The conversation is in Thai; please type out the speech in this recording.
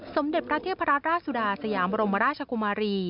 สมเด็จพระเทพราชสุดาสยามบรมราชกุมารี